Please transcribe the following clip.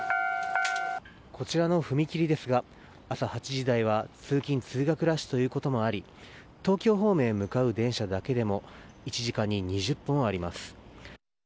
こちらの踏切ですが朝８時台は通勤・通学ラッシュということもあり東京方面に向かう電車だけでも１時間に２０本あります。